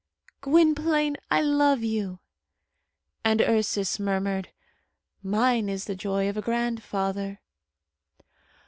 "Gwynplaine, I love you!" And Ursus murmured, "Mine is the joy of a grandfather."